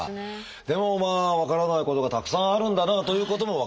でもまあ分からないことがたくさんあるんだなということも分かりました。